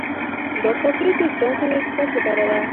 دا کاپي د اجرااتو د اثبات لپاره ده.